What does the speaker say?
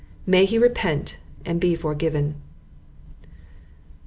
May he repent, and be forgiven.